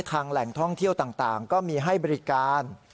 แหล่งท่องเที่ยวต่างก็มีให้บริการ